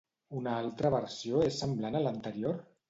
Una altra versió és semblant a l'anterior?